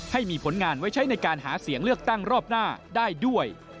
ให้มีผลงานไว้ใช้ในการหาเสียงเลือกตั้งรอบหน้าได้ด้วย